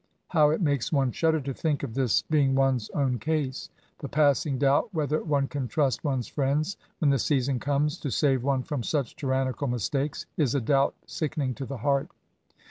How it makes one shudder to think of this being one's own case ! The passing doubt whether one can trust one's friends, when the season comes, to save one from such tyrannical mistakes^ is a doubt sickening to the heart.